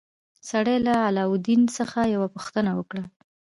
سړي له علاوالدین څخه یوه پوښتنه وکړه.